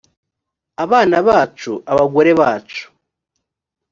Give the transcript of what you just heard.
abana bacu abagore bacu